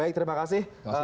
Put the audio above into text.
baik terima kasih